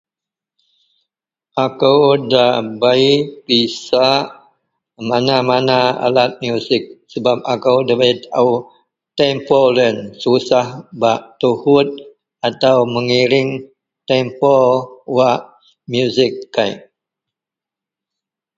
Ako dabei pisak mana-mana alat musik sebab akou dabei tao tempo loyen susah bak tuhut atau mengiring tempo wak musik kek.